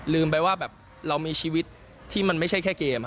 ลืมไปว่ามีชีวิตที่ไม่ใช่แค่เกม